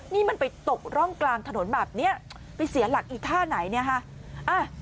นี่มันไปตกร่องกลางถนนแบบนี้ไปเสียหลักอีท่าไหนเนี่ยฮะ